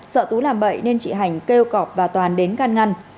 sợ tú làm bậy nên chị hạnh kêu cọp và toàn đến can ngăn